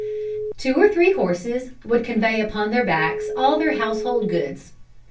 Two or three horses would convey upon their backs all their household goods.